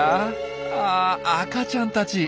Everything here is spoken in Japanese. あ赤ちゃんたち！